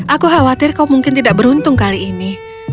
aku khawatir kau mungkin tidak beruntung kali ini